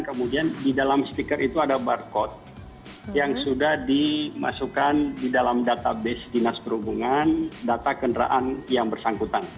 kemudian di dalam stiker itu ada barcode yang sudah dimasukkan di dalam database dinas perhubungan data kendaraan yang bersangkutan